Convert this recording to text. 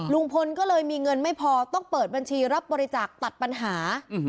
ลุงพลก็เลยมีเงินไม่พอต้องเปิดบัญชีรับบริจาคตัดปัญหา